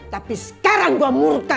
tapi sekarang gue murta